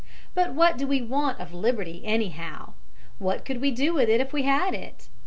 But what do we want of liberty, anyhow? What could we do with it if we had it?